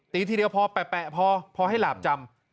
ทีเดียวพอแปะพอให้หลาบจำ